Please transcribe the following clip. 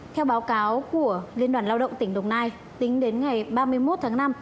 theo báo cáo của liên đoàn lao động tỉnh đồng nai tính đến ngày ba mươi một tháng năm